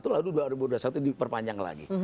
lalu dua ribu dua puluh satu diperpanjang lagi